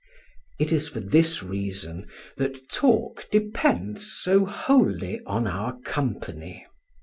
It is for this reason that talk depends so wholly on our company.